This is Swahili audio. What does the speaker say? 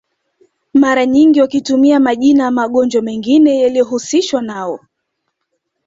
Mara nyingi wakitumia majina ya magonjwa mengine yaliyohusishwa nao